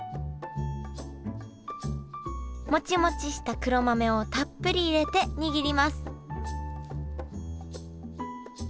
モチモチした黒豆をたっぷり入れて握ります